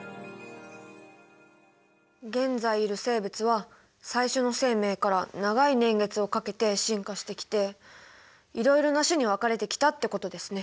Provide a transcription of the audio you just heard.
現在いる生物は最初の生命から長い年月をかけて進化してきていろいろな種に分かれてきたってことですね。